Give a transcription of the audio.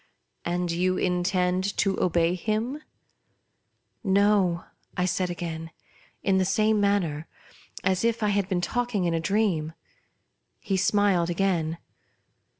" And you intend to obey him ?"" No," 1 said again, in the same manner, as if I had been talking in a dream. He smiled again.